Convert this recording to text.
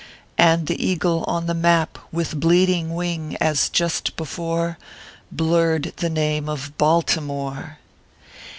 And the Eagle on the map, with bleeding wing, as just before, Blurred the name of BALTIMORE